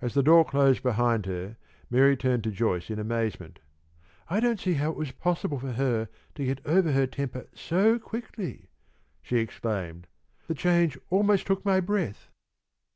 As the door closed behind her, Mary turned to Joyce in amazement. "I don't see how it was possible for her to get over her temper so quickly," she exclaimed. "The change almost took my breath."